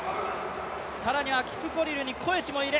更にはキプコリルにコエチもいる。